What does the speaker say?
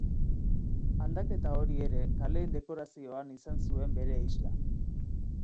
Aldaketa hori ere kaleen dekorazioan izan zuen bere isla.